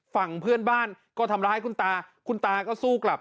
ฝั่งเพื่อนบ้านก็ทำร้ายคุณตาคุณตาก็สู้กลับ